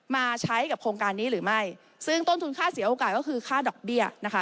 มาใช้กับโครงการนี้หรือไม่ซึ่งต้นทุนค่าเสียโอกาสก็คือค่าดอกเบี้ยนะคะ